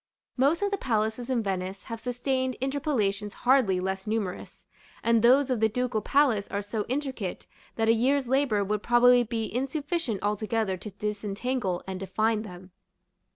Most of the palaces in Venice have sustained interpolations hardly less numerous; and those of the Ducal Palace are so intricate, that a year's labor would probably be insufficient altogether to disentangle and define them.